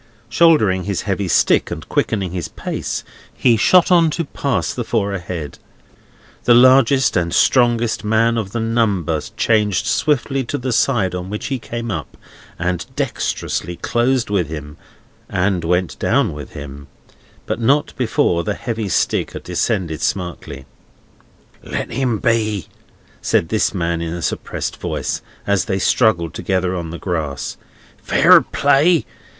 Shouldering his heavy stick, and quickening his pace, he shot on to pass the four ahead. The largest and strongest man of the number changed swiftly to the side on which he came up, and dexterously closed with him and went down with him; but not before the heavy stick had descended smartly. "Let him be!" said this man in a suppressed voice, as they struggled together on the grass. "Fair play!